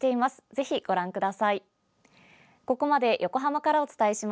ぜひご覧ください。